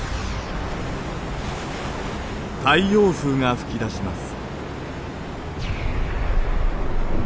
太陽風が噴き出します。